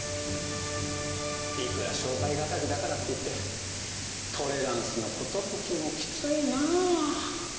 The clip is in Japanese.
いくら商売敵だからっていってトレランスの寿もきついなぁ。